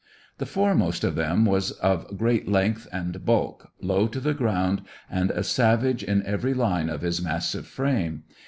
The foremost of them was of great length and bulk, low to the ground, and a savage in every line of his massive frame.